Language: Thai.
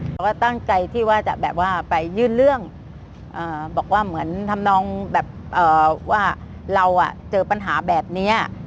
เราก็ตั้งใจที่จะไปยื่นเรื่องบอกว่าเหมือนทำนองว่าเราเจอปัญหาแบบนี้